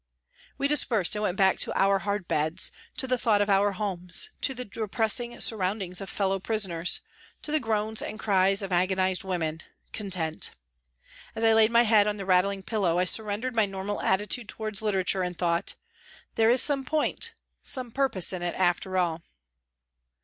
We dispersed and went back to our hard beds, to the thought of our homes, to the depressing sur roundings of fellow prisoners, to the groans and cries of agonised women content. As I laid my head on the rattling pillow I surrendered my normal attitude towards literature, and thought " There is some point, some purpose in it after all."